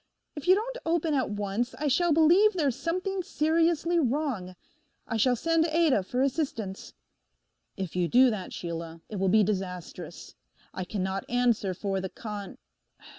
If you don't open at once I shall believe there's something seriously wrong: I shall send Ada for assistance.' 'If you do that, Sheila, it will be disastrous. I cannot answer for the con—.